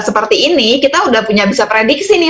seperti ini kita sudah bisa punya prediksi